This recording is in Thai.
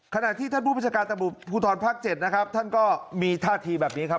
ขณะที่ท่านผู้ประชาการตำรวจภูทรภาค๗นะครับท่านก็มีท่าทีแบบนี้ครับ